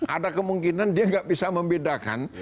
ada kemungkinan dia nggak bisa membedakan